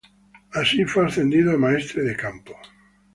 Así, fue ascendido a Maestre de Campo.